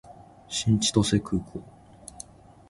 新千歳空港